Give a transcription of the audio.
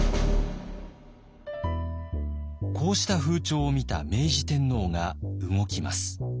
こうした風潮を見た明治天皇が動きます。